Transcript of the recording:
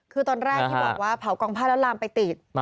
คือตอนแรกที่บอกว่าเผากองผ้าแล้วลามไปติด